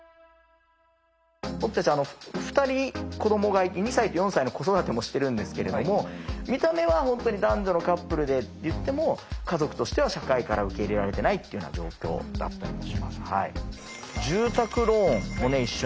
僕たち２人子どもがいて２歳と４歳の子育てもしてるんですけれども見た目は本当に男女のカップルでっていっても家族としては社会から受け入れられてないっていうような状況だったりもします。